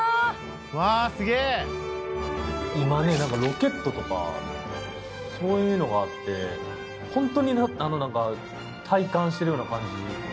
今ねなんかロケットとかそういうのがあってホントに体感してるような感じ。